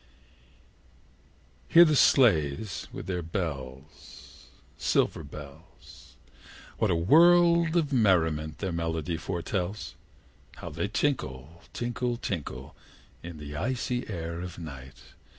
Hear the sledges with the bells Silver bells! What a world of merriment their melody foretells! How they tinkle, tinkle, tinkle, In their icy air of night!